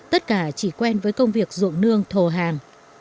tất cả chỉ quen với công việc ruộng nương thổ hàng